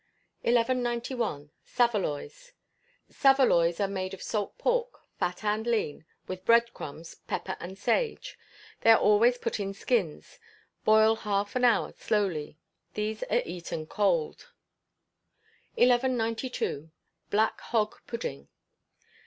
1191. Saveloys. Saveloys are made of salt pork, fat and lean, with bread crumbs, pepper, and sage; they are always put in skins: boil half an hour slowly. These are eaten cold. 1192. Black Hog Pudding.